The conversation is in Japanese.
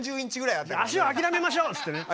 足を諦めましょうっていって。